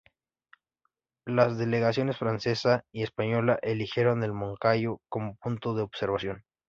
Las delegaciones Francesa y Española eligieron el moncayo como punto de observación.